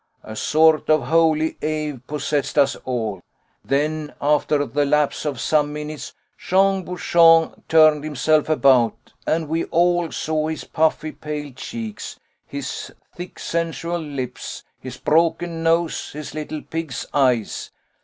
A sort of holy awe possessed us all. Then, after the lapse of some minutes, Jean Bouchon turned himself about, and we all saw his puffy pale cheeks, his thick sensual lips, his broken nose, his little pig's eyes.